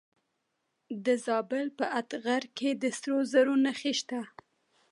د زابل په اتغر کې د سرو زرو نښې شته.